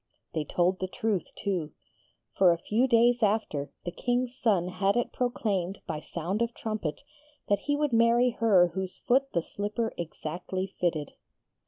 They told the truth, too. For a few days after, the King's son had it proclaimed by sound of trumpet that he would marry her whose foot the slipper exactly fitted.